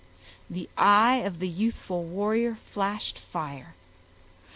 The eye of the youthful warrior flashed fire.